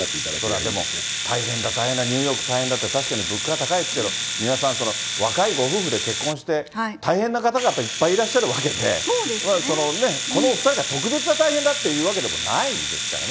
大変だ、大変だって、確かにニューヨーク大変だって、確かに物価が高いですけど、三輪さん、若いご夫婦で結婚して大変な方々いっぱいいらっしゃるわけで、このお２人が特別大変だってわけでもないですからね。